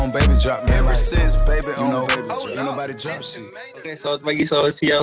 baik selamat pagi selamat siang